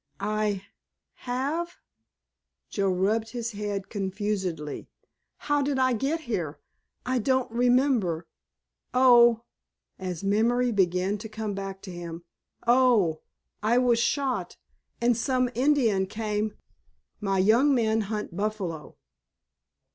"I have?" Joe rubbed his head confusedly. "How did I get here? I don't remember—oh!"—as memory began to come back to him—"oh, I was shot—and some Indian came——" "My young men hunt buffalo.